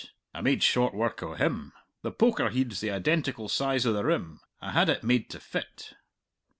I made short work o' him! The poker heid's the identical size o' the rim; I had it made to fit."